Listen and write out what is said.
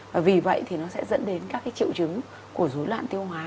và vì vậy thì nó sẽ dẫn đến các cái triệu chứng của dối loạn tiêu hóa